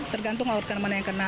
tergantung organ mana yang kena